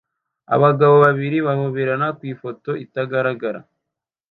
Abagabo babiri bahoberana ku ifoto itagaragara